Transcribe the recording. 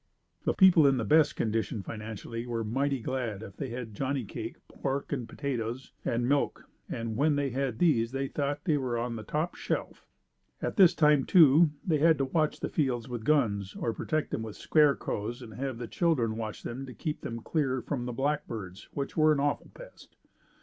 The people in the best condition financially were mighty glad if they had Johnny cake, pork and potatoes and milk and when they had these they thought they were on the "top shelf." At this time too, they had to watch their fields with guns, or protect them with scarecrows and have the children watch them to keep them clear from the blackbirds, which were an awful pest.